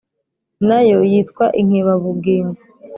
na yo yitwa inkebabugingo.